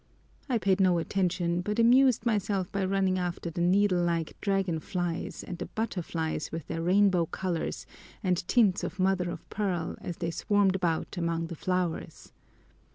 I paid no attention, but amused myself by running after the needle like dragon flies and the butterflies with their rainbow colors and tints of mother of pearl as they swarmed about among the flowers.